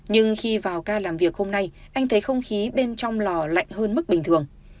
nhưng khi vào ca làm việc hôm nay anh thấy không khí bên trong lò lạnh hơn mức bình thường